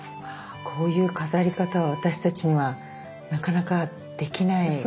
こういう飾り方は私たちにはなかなかできない。